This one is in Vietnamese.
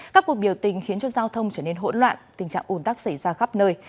các cuộc biểu tình khiến cho giao thông trở nên hỗn loạn tình trạng ủn tắc xảy ra khắp nơi